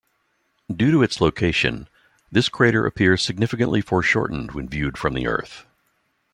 Due to its location, this crater appears significantly foreshortened when viewed from the Earth.